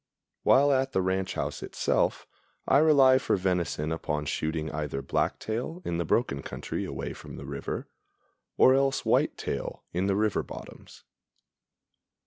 While at the ranch house itself, I rely for venison upon shooting either blacktail in the broken country away from the river, or else whitetail in the river bottoms.